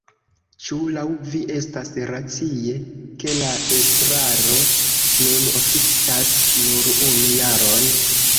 Ĉu laŭ vi estas racie, ke la estraro nun oficas nur unu jaron?